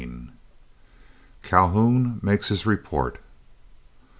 CALHOUN MAKES HIS REPORT.